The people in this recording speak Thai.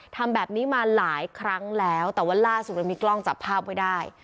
ทำแบบนี้มาหลายครั้งแล้วแต่ว่าล่าสุดเรามีกล้องจับภาพไว้ได้